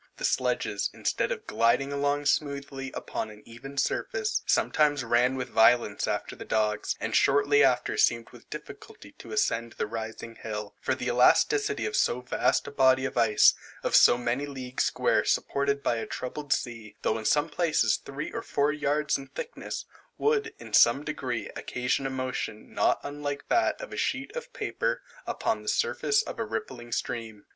The sledges, instead of gliding along smoothly upon an even surface, sometimes ran with violence after the dogs, and shortly after seemed with difficulty to ascend the rising hill; for the elasticity of so vast a body of ice, of many leagues square, supported by a troubled sea, though in some places three or four yards in thickness, would, in some degree, occasion a motion not unlike that of a sheet of paper upon the surface of a rippling stream.